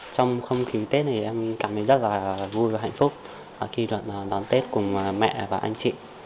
trong không khí tết này em cảm thấy rất là vui và hạnh phúc khi đoán tết cùng mẹ và anh chị